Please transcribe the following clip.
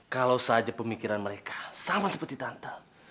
kalau saja pemikiran mereka sama seperti tante